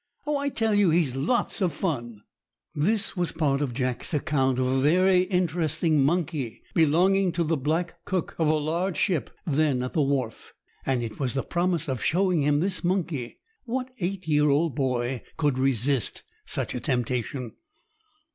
Oh, I tell you he's lots of fun!" [Illustration: RESCUER AND RESCUED.—See page 183.] This was part of Jack's account of a very interesting monkey belonging to the black cook of a large ship then at the wharf; and it was the promise of showing him this monkey—what eight year old boy could resist such a temptation?